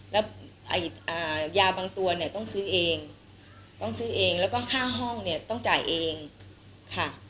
แล้วยาบางตัวเนี่ยต้องซื้อเองต้องซื้อเองแล้วก็ค่าห้องเนี่ยต้องจ่ายเองค่ะ